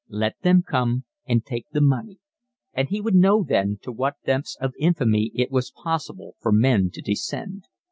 Let them come and take the money, and he would know then to what depths of infamy it was possible for men to descend.